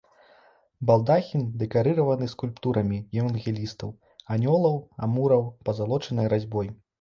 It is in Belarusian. Балдахін дэкарыраваны скульптурамі евангелістаў, анёлаў, амураў, пазалочанай разьбой.